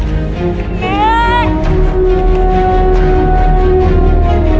พีค